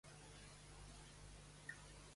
Quin animal intenta distreure Mickey?